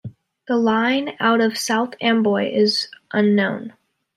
The line out of South Amboy is unknown.